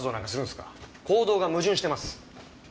行動が矛盾してます。